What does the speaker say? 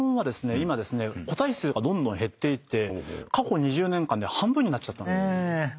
今個体数がどんどん減っていって過去２０年間で半分になっちゃったんです」